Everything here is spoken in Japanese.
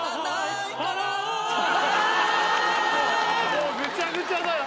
もうぐちゃぐちゃだよ